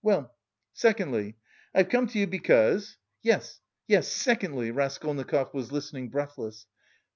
Well, secondly, I've come to you because..." "Yes, yes, secondly?" Raskolnikov was listening breathless.